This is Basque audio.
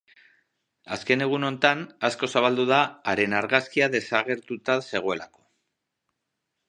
Azken egunotan asko zabaldu da haren argazkia desagertuta zegoelako.